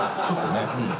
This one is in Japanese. ちょっとね。